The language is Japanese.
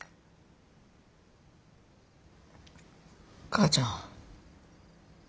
母ちゃん。